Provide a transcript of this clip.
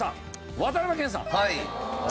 渡辺謙さん。